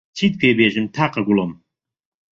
چیت پێ بێژم تاقە گوڵم